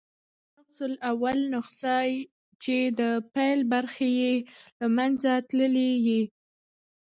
ناقص الاول نسخه، چي د پيل برخي ئې له منځه تللي يي.